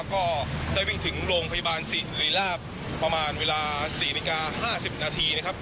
ก็ได้วิ่งถึงโรงพยาบาลศรีราบประมาณเวลา๔ชั่วกา๕๐นาที